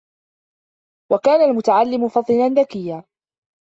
وَكَانَ الْمُتَعَلِّمُ فَطِنًا ذَكِيًّا